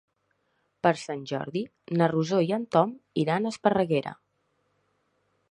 Per Sant Jordi na Rosó i en Tom iran a Esparreguera.